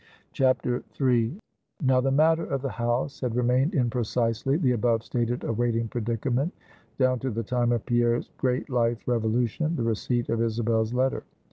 III. Now the matter of the house had remained in precisely the above stated awaiting predicament, down to the time of Pierre's great life revolution, the receipt of Isabel's letter.